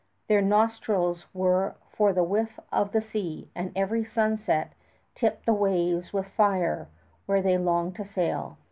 Their nostrils were for the whiff of the sea; and every sunset tipped the waves with fire where they longed to sail.